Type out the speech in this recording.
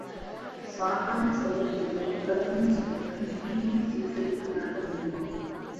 சாத்தான் செயல் என்றால் கடவுளின சக்திக்கு மீறியும் சில செயல்கள் நடக்க முடியுமா?